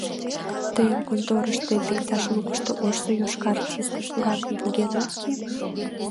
— Тыйын конторыштет иктаж лукышто ожсо йошкар тисте пуракым поген ок кий?